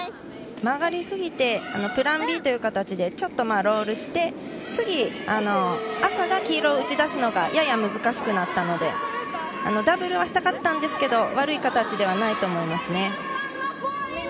曲がりすぎてプランＢという形でちょっとロールして、次に赤が黄色を打ち出すのがやや難しくなったので、ダブルをしたかったんですけれど、悪い形ではないと思います。